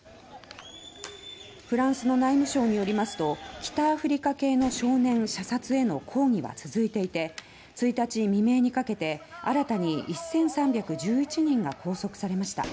フランスの内務省によりますと北アフリカ系の少年射殺への抗議は続いていて１日未明にかけて新たに１３１１人が拘束されました。